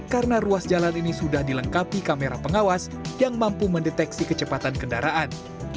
karena ruas jalan ini sudah dilengkapi kamera pengawas yang mampu mendeteksi kecepatan kendaraan